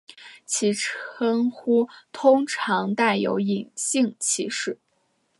其称呼通常带有隐性歧视。